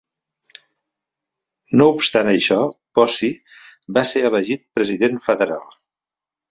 No obstant això, Bossi va ser elegit president federal.